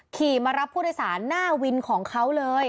ขี่มารับพูดศาอาทิตย์หน้าวินของเขาเลย